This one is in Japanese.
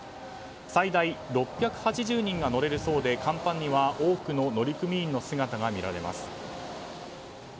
最大６８０人が乗れるそうで甲板には多くの乗組員の姿が見られます。